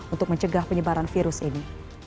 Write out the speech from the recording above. untuk mencegah penyebaran virus ini